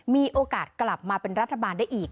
มีโอกาสกลับมาเป็นรัฐบาลได้อีก